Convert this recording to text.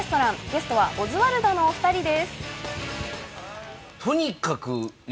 ゲストはオズワルドのお二人です。